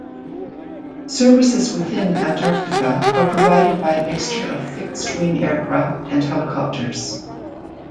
Services within Antarctica are provided by a mixture of fixed-wing aircraft and helicopters.